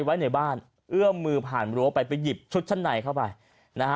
ไว้ในบ้านเอื้อมมือผ่านรั้วไปไปหยิบชุดชั้นในเข้าไปนะฮะ